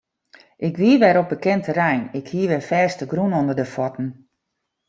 Ik wie wer op bekend terrein, ik hie wer fêstegrûn ûnder de fuotten.